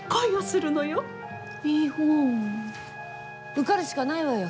受かるしかないわよ